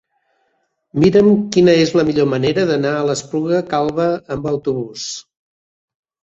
Mira'm quina és la millor manera d'anar a l'Espluga Calba amb autobús.